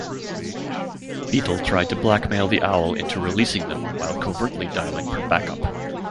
Beetle tried to blackmail the Owl into releasing them while covertly dialing for back-up.